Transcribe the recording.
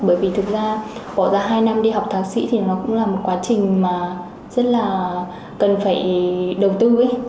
bởi vì thực ra bỏ ra hai năm đi học thạc sĩ thì nó cũng là một quá trình mà rất là cần phải đầu tư